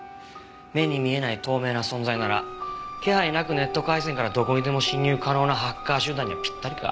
目に見えない透明な存在なら気配なくネット回線からどこにでも侵入可能なハッカー集団にはぴったりか。